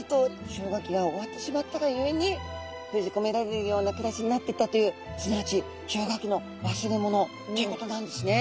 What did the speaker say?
氷河期が終わってしまったがゆえにふうじこめられるような暮らしになっていったというすなわち氷河期の忘れものということなんですね。